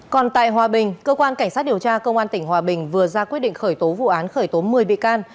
còn tại hòa bình cơ quan cảnh sát điều tra công an tp hcm vừa ra quyết định khởi tố vụ án khởi tố một mươi bị can